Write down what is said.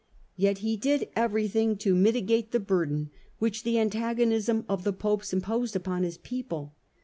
Yet he did everything to mitigate the burden which the antagonism of the Popes imposed upon his people.